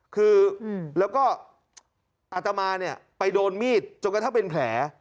คือแล้วก็อาตมาเนี่ยไปโดนมีดจนกระทั่งเป็นแผล